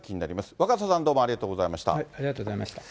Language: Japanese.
若狭さん、どうもありがとうござありがとうございました。